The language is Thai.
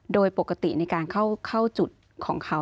โดยปกติในการเข้าจุดของเขา